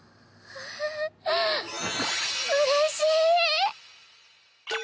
うれしい！